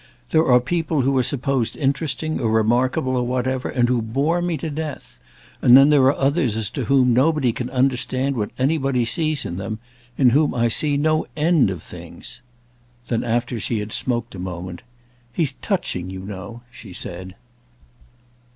There are people who are supposed interesting or remarkable or whatever, and who bore me to death; and then there are others as to whom nobody can understand what anybody sees in them—in whom I see no end of things." Then after she had smoked a moment, "He's touching, you know," she said.